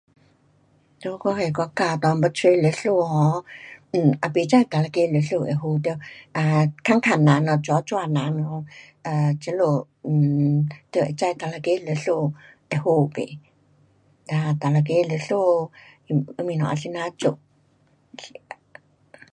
在我那国家内要找律师 um，嗯，也不知哪一个律师会好。得问问人了，抓抓人，呃，这里你们会知哪一个律师会好不。哒哪一个律师，嗯，东西啊怎样做。